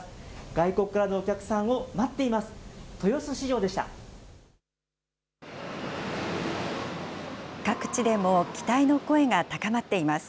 外国からのお客さんを待っています。